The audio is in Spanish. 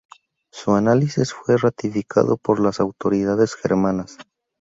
Su análisis fue ratificado por las autoridades germanas.